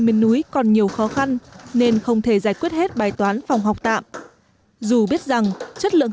miền núi còn nhiều khó khăn nên không thể giải quyết hết bài toán phòng học tạm dù biết rằng chất lượng